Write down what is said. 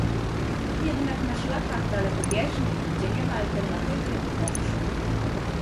Jednak na szlakach dalekobieżnych, gdzie nie ma alternatywy, owszem